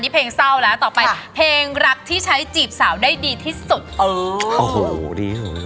เพลงรักที่ใช้จีบสาวได้ดีที่สุด